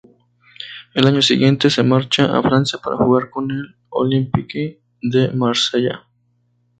Al año siguiente se marcha a Francia para jugar con el Olympique de Marsella.